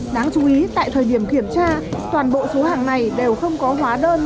đáng chú ý tại thời điểm kiểm tra toàn bộ số hàng này đều không có hóa đơn